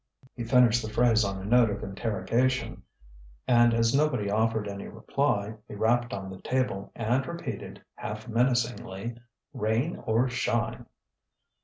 He finished the phrase on a note of interrogation, and as nobody offered any reply, he rapped on the table, and repeated, half menacingly: "Rain or shine!"